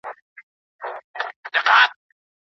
ماشوم د انا د لمانځه پر مهال شور کاوه.